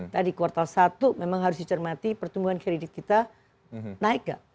tadi kuartal satu memang harus dicermati pertumbuhan kredit kita naik nggak